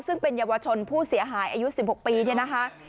ซึ่งเป็นเยาวชนผู้เสียหายอายุ๑๖ปีเนี่ยนะคะ